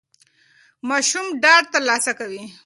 ماشوم ډاډ ترلاسه کوي.